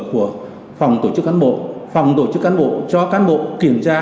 của phòng tổ chức cán bộ phòng tổ chức cán bộ cho cán bộ kiểm tra